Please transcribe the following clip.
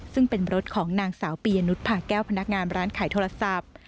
ซึ่งเป็นรถของนางสาวปียนุษยผ่าแก้วพนักงานร้านขายโทรศัพท์